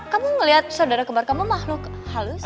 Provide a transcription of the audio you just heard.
kamu ngeliat saudara kembar kamu mahluk halus